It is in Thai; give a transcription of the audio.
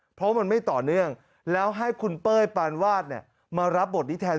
เพราะมันไม่ต่อเนื่องแล้วให้คุณเป้ยปานวาดมารับบทนี้แทน